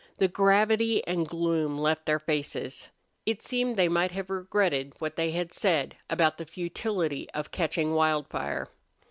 The gravity and gloom left their faces. It seemed they might have regretted what they had said about the futility of catching Wildfire.